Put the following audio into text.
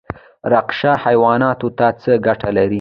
رشقه حیواناتو ته څه ګټه لري؟